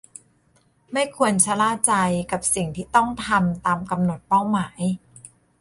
ไม่ควรชะล่าใจกับสิ่งที่ต้องทำตามกำหนดเป้าหมาย